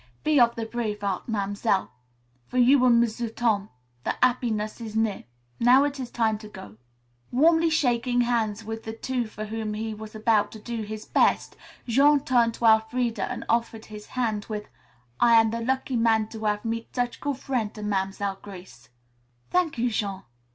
"Be of the brav' heart, Mam'selle. For you and M'sieu' Tom the 'appiness is near. Now it is time to go." Warmly shaking hands with the two for whom he was about to "do his best," Jean turned to Elfreda and offered his hand with: "I am the lucky man to hav' meet such good frien' to Mam'selle Grace." "Thank you, Jean."